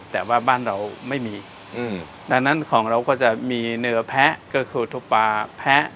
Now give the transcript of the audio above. แต่ว่าบ้านเราไม่มีดังนั้นของเราก็จะมีเนื้อแพ้ก็คือทุกปลาแพะ